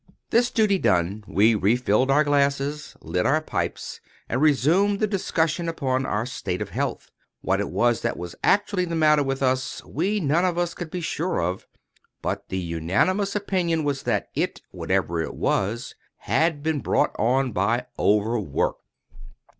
This duty done, we refilled our glasses, lit our pipes, and resumed the discussion upon our state of health. What it was that was actually the matter with us, we none of us could be sure of; but the unanimous opinion was that it—whatever it was—had been brought on by overwork.